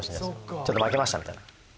ちょっと負けましたみたいな。